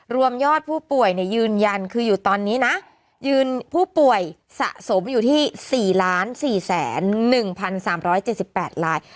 รวมยอดผู้ป่วยเนี่ยยืนยันคืออยู่ตอนนี้นะยืนผู้ป่วยสะสมอยู่ที่สี่ล้านสี่แสนหนึ่งพันสามร้อยเจ็ดสิบแปดราย